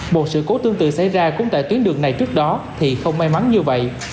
một sự cố tương tự xảy ra cũng tại tuyến đường này trước đó thì không may mắn như vậy